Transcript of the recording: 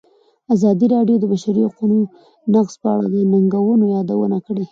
ازادي راډیو د د بشري حقونو نقض په اړه د ننګونو یادونه کړې.